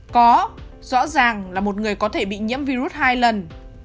có rõ ràng là một người có thể bị nhiễm virus hai lần